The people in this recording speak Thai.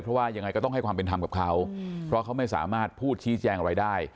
เพราะว่ายังไงก็ต้องให้ความเป็นธรรมกับเขาเพราะเขาไม่สามารถพูดชี้แจงอะไรได้